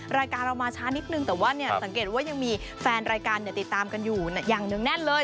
รายการเรามาช้านิดนึงแต่ว่าสังเกตว่ายังมีแฟนรายการติดตามกันอยู่อย่างหนึ่งแน่นเลย